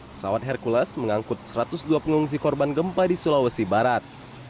pesawat hercules mengangkut satu ratus dua pengungsi korban gempa di sulawesi barat